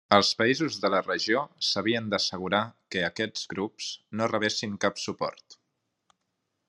Els països de la regió s'havien d'assegurar que aquests grups no rebessin cap suport.